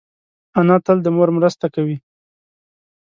انا تل د مور مرسته کوي